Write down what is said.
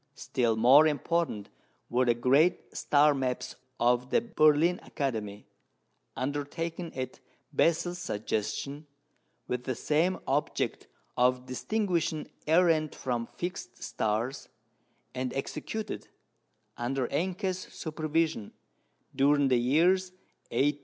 Still more important were the great star maps of the Berlin Academy, undertaken at Bessel's suggestion, with the same object of distinguishing errant from fixed stars, and executed, under Encke's supervision, during the years 1830 59.